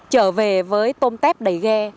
trở về với tôm tép đầy ghe